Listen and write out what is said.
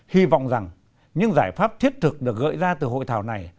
hy vọng rằng những giải pháp thiết thực được gợi ra từ hội thảo này